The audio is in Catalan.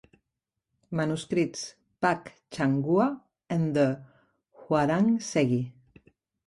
Manuscrits "Pak Ch'anghwa and the Hwarang segi".